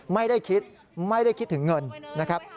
ไม่ได้คิดไม่ได้คิดถึงเงินนะครับ